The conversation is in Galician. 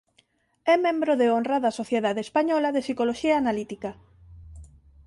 É membro de honra da Sociedade Española de Psicoloxía Analítica.